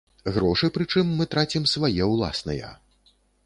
Грошы, прычым, мы трацім свае ўласныя.